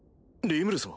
リムル様？